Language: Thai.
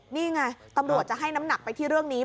นี่ไงตำรวจจะให้น้ำหนักไปที่เรื่องนี้